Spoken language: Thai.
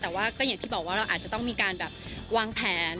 แต่ว่าก็อย่างที่บอกว่าเราอาจจะต้องมีการแบบวางแผน